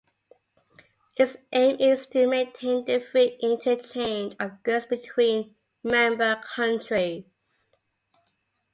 Its aim is to maintain the free interchange of goods between member countries.